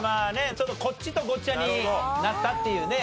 ちょっとこっちとごっちゃになったっていうね